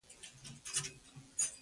زموږ د تېرو ایډیالوژیو یو سپک تمایل و.